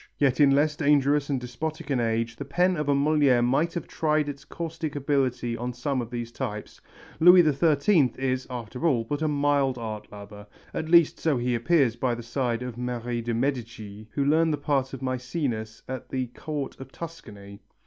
Yet in less dangerous and despotic an age the pen of a Molière might have tried its caustic ability on some of these types. Louis XIII is, after all, but a mild art lover, at least so he appears by the side of Marie de Médicis who learned the part of Mæcenas at the court of Tuscany.